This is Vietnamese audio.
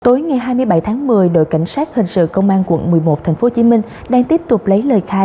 tối ngày hai mươi bảy tháng một mươi đội cảnh sát hình sự công an quận một mươi một tp hcm đang tiếp tục lấy lời khai